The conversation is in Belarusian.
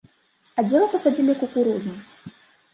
А дзе вы пасадзілі кукурузу?